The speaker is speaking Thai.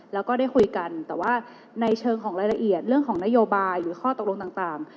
แล้วก็ได้คุยกันแต่ว่าในเชิงของรายละเอียดเรื่องของนโยบายหรือข้อตกลงต่าง